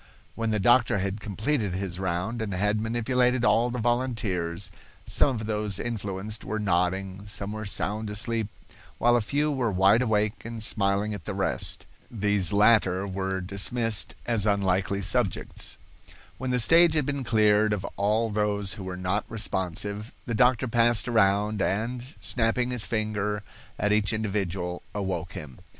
When the doctor had completed his round and had manipulated all the volunteers, some of those influenced were nodding, some were sound asleep, while a few were wide awake and smiling at the rest. These latter were dismissed as unlikely subjects. When the stage had been cleared of all those who were not responsive, the doctor passed around, and, snapping his finger at each individual, awoke him.